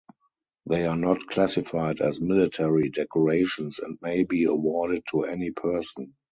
They are not classified as military decorations, and may be awarded to any person.